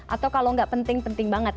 atau kalau nggak penting penting banget